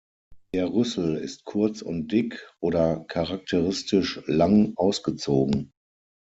Der Rüssel ist kurz und dick oder charakteristisch lang ausgezogen.